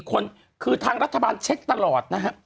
คนคือทางรัฐบาลเช็คตลอดนะฮะ